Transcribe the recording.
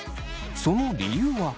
その理由は。